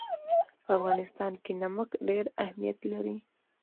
په افغانستان کې نمک ډېر اهمیت لري.